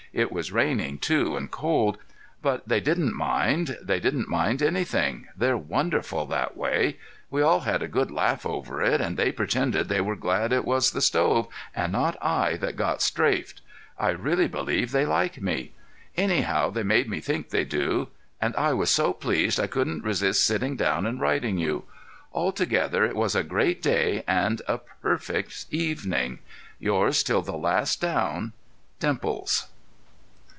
It was raining, too, and cold. But they didn't mind. They don't mind anything—they're wonderful that way. We all had a good laugh over it, and they pretended they were glad it was the stove and not I that got strafed. I really believe they like me. Anyhow, they made me think they do, and I was so pleased I couldn't resist sitting down and writing you. Altogether, it was a great day and a perfect evening. Yours till the last "down," DIMPLES.